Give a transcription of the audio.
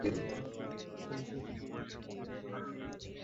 মা একজন দেবীর মতো।